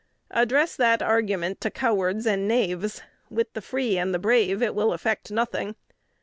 Address that argument to cowards and knaves: with the free and the brave it will affect nothing.